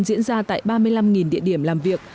diễn ra tại ba mươi năm địa điểm làm việc